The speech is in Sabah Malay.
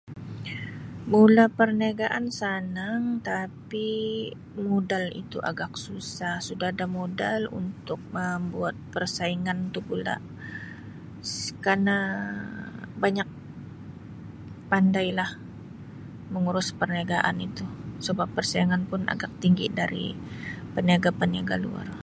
Mula perniagaan sanang tapi modal itu agak susah sudah ada modal untuk, Um buat persaingan tu pula s-kana banyak pandailah mengurus perniagaan itu sebab persaingan pun agak tinggi dari peniaga-peniaga luar.